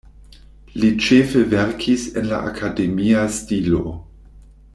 Li ĉefe verkis en la akademia stilo.